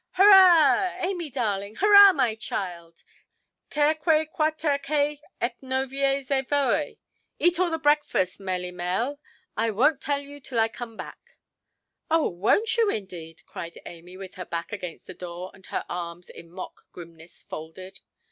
"Hurrah! Amy, darling; hurrah, my child! Terque quaterque, et novies evoe! Eat all the breakfast, melimel; I wonʼt tell you till I come back". "Oh, wonʼt you, indeed"? cried Amy, with her back against the door and her arms in mock grimness folded.